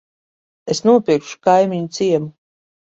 Es nopirkšu kaimiņu ciemu.